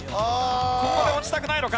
ここで落ちたくないのか？